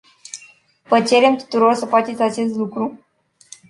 Vă cerem tuturor să faceți acest lucru.